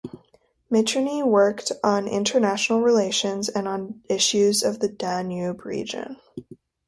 Mitrany worked on international relations and on issues of the Danube region.